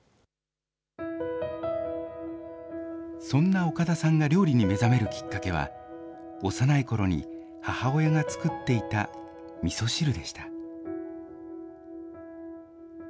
そんな岡田さんが料理に目覚めるきっかけは、幼いころに母親が作っていたみそ汁でした。